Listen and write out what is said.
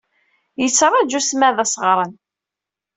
Yettaṛaju Smi ad as-d-ɣren.